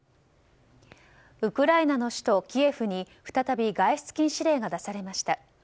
ウクライナの首都キエフに再び外出禁止令が出されました。